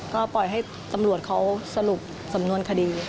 ก็ปล่อยให้ตำรวจเขาสรุปสำนวนคดี